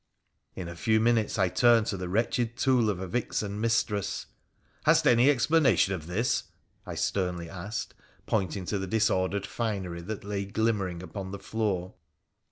In a few minutes I turned to the wretched tool of a vixen mistress. ' Hast any explanation of this ?' I sternly asked, pointing to the disordered finery that lay glimmering upon the floor.